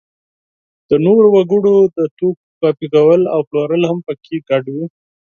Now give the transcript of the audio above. د نورو وګړو د توکو کاپي کول او پلورل هم په کې شامل دي.